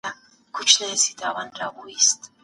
د عاید ناسم وېش ستونزې زیږوي.